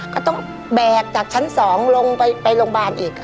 ก็ต้องแบกจากชั้น๒ลงไปโรงพยาบาลอีก